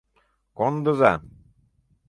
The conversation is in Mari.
Кондыза.